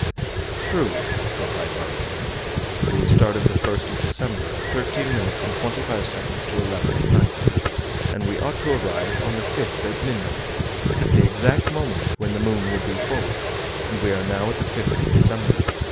"True," replied Barbicane. "But we started the 1st of December, at thirteen minutes and twenty five seconds to eleven at night; and we ought to arrive on the 5th at midnight, at the exact moment when the moon would be full; and we are now at the 5th of December.